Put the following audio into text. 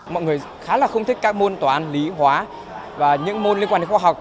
mọi người khá là không thích các môn toán lý hóa và những môn liên quan đến khoa học